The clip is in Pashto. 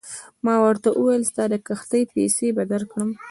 ما ورته وویل ستا د کښتۍ پیسې به درکړم.